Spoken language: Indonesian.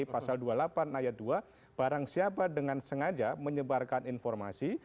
pasal dua puluh delapan ayat dua barang siapa dengan sengaja menyebarkan informasi